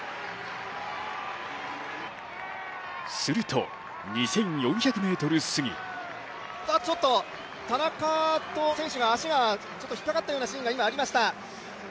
すると、２４００ｍ過ぎ田中選手が足が引っかかったようなシーンが今ありました。